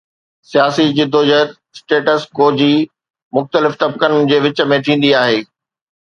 سياسي جدوجهد status quo جي مختلف طبقن جي وچ ۾ ٿيندي آهي.